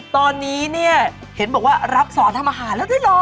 ตอนนี้เนี่ยเห็นบอกว่ารับสอนทำอาหารแล้วด้วยเหรอ